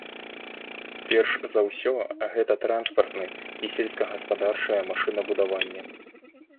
Перш за ўсё, гэта транспартны і сельскагаспадарчае машынабудаванне.